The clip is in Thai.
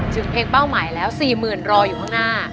ถึงเพลงเป้าหมายแล้ว๔๐๐๐รออยู่ข้างหน้า